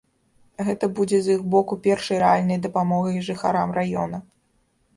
Гэта будзе з іх боку першай рэальнай дапамогай жыхарам раёна.